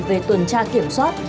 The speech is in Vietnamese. về tuần tra kiểm soát